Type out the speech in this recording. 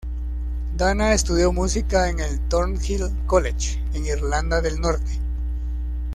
Dana estudió música en el Thornhill College, en Irlanda del Norte.